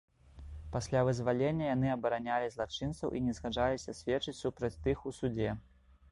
Пасля вызвалення яны абаранялі злачынцаў і не згаджаліся сведчыць супраць тых у судзе.